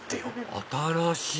新しい！